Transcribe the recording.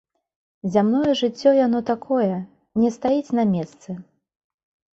Зямное жыццё яно такое, не стаіць на месцы.